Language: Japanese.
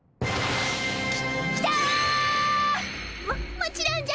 ききた！ももちろんじゃ！